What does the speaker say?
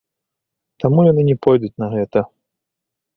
Таму яны не пойдуць на гэта.